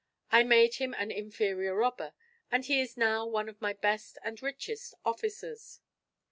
I made him an inferior robber; and he is now one of my best and richest officers.